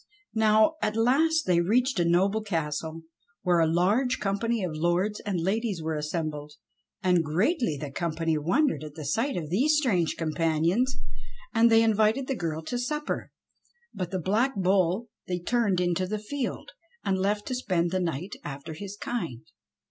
Now at last they reached a noble castle where a large company of lords and ladies were assembled, and greatly THE BLACK BULL OF NORROWAY 157 the company wondered at the sight of these strange com panions. And they invited the girl to supper, but the Black Bull they turned into the field, and left to spend the night after his kind.